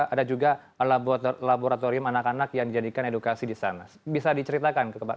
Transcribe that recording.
ada juga laboratorium anak anak yang dijadikan edukasi di sana bisa diceritakan ke pak